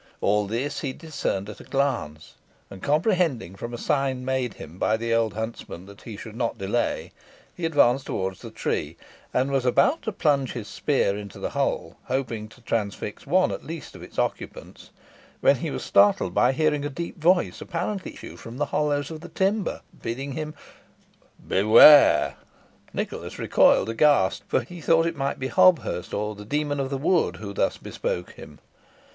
All this he discerned at a glance; and comprehending from a sign made him by the old huntsman that he should not delay, he advanced towards the tree, and was about to plunge his spear into the hole, hoping to transfix one at least of its occupants, when he was startled by hearing a deep voice apparently issue from the hollows of the timber, bidding him "Beware!" Nicholas recoiled aghast, for he thought it might be Hobthurst, or the demon of the wood, who thus bespoke him.